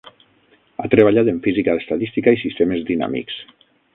Ha treballat en física estadística i sistemes dinàmics.